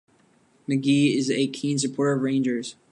McGee is a keen supporter of Rangers.